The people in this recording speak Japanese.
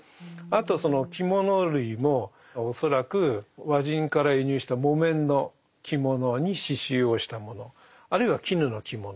あとその着物類も恐らく和人から輸入した木綿の着物に刺しゅうをしたものあるいは絹の着物